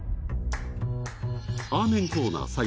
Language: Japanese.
アーメンコーナー